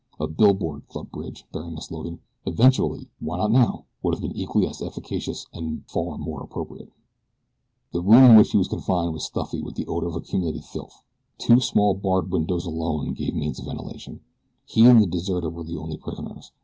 A billboard, thought Bridge, bearing the slogan: "Eventually! Why not now?" would have been equally as efficacious and far more appropriate. The room in which he was confined was stuffy with the odor of accumulated filth. Two small barred windows alone gave means of ventilation. He and the deserter were the only prisoners.